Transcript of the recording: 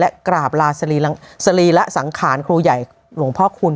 และกราบลาสรีระสังขารครูใหญ่หลวงพ่อคุณ